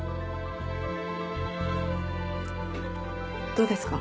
どうですか？